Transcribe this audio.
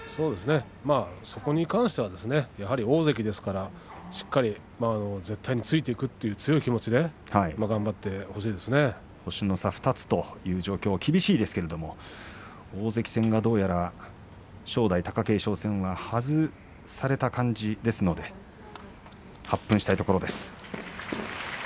そこに関してはやはり大関ですからしっかり絶対に突いていくという強い気持ちで星の差２つという状況厳しいですけれども大関戦がどうやら正代、貴景勝戦は外された感じですので発奮したいところです。